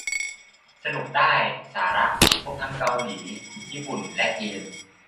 สนุกได้สาระ ครบทั้งเกาหลี ญี่ปุ่น และจีน